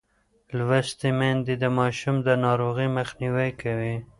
لوستې میندې د ماشوم د ناروغۍ مخنیوی کوي.